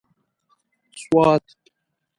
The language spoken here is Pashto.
سوات